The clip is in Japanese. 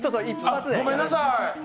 ごめんなさい！